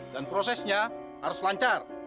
dan prosesnya harus lancar